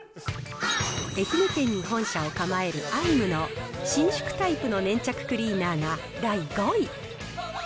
愛媛県に本社を構えるアイムの、伸縮タイプの粘着クリーナーが第５位。